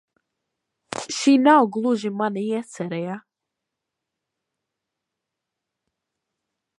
Šī nav gluži mana iecere, ja?